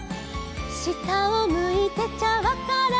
「したをむいてちゃわからない」